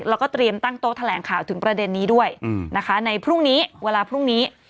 แล้วก็เตรียมตั้งโต๊ะแถลงข่าวถึงประเด็นนี้ด้วยนะคะในพรุ่งนี้เวลาพรุ่งนี้